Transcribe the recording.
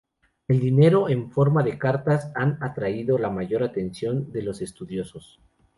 El dinero en forma de cartas han atraído la mayor atención de los estudiosos.